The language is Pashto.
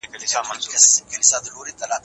په ګرځېدو کې د مالي مرستې اړتیا نه لیدل کېږي.